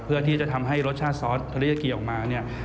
เพื่อที่จะทำให้รสชาติซอสที่เราจะกินออกมานี่